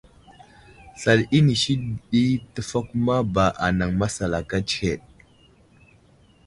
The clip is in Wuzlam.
Slal inisi ɗi təfakuma ba anaŋ masalaka tsəhed.